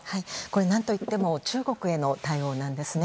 何と言っても中国への対応なんですね。